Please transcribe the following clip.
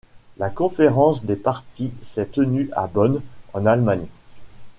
La conférence des parties s'est tenue à Bonn en Allemagne.